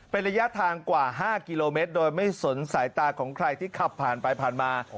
เป็นระยะทางกว่า๕กิโลเมตรโดยไม่สนสายตาของใครที่ขับผ่านไปผ่านมา